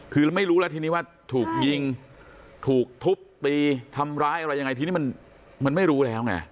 คือไม่รู้แล้วทีนี้ว่าถูกยิงถูกทุบตีทำร้ายอะไรยังไงทีนี้มันไม่รู้แล้วไง